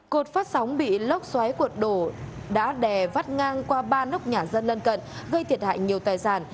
cột phát sóng bị lốc xoáy cuột đổ đá đè vắt ngang qua ba nốc nhà dân lân cận gây thiệt hại nhiều tài sản